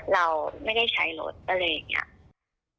เราไม่ได้ใช้รถอะไรอย่างนี้